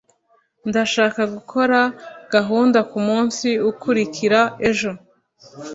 ndashaka gukora gahunda kumunsi ukurikira ejo